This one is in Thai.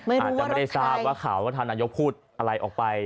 อาจจะไม่ทราบว่าข่าวรัฐมนตรีพูดอะไรออกไป